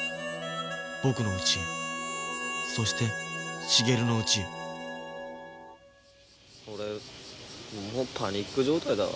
僕のうちへそして茂のうちへ俺もうパニック状態だわ。